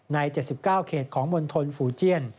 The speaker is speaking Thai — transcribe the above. ใน๗๙เขตของบนทนฝูเจียน